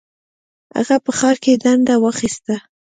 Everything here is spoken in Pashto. هغه په ښار کې دنده واخیسته.